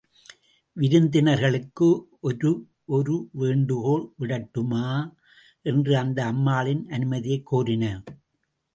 விருத்தினர்களுக்கு ஒரேவொரு வேண்டுகோள் விடட்டுமா? என்று அந்த அம்மாளின் அணுமதியைக் கோரினாள்.